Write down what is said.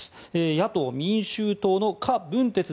野党・民衆党のカ・ブンテツ